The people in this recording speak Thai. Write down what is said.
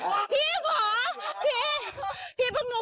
เด็กเขาไม่รู้พวกหนูหรอ